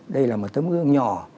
đây là một tấm gương nhỏ